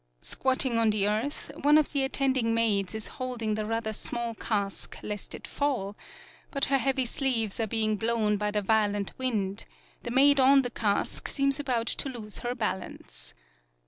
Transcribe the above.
Squatting on the earth, one of the attendant maids is holding the rather small cask lest it fall, but her heavy sleeves are being blown by the violent wind ; the maid on the cask seems about to lose her balance.